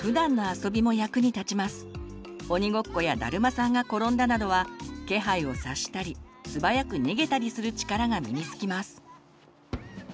「鬼ごっこ」や「だるまさんが転んだ」などは気配を察したり素早く逃げたりする力が身につきます。